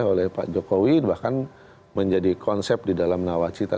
oleh pak jokowi bahkan menjadi konsep di dalam nawacita